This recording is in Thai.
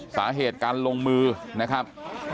สาเหตุการลงมือนะครับ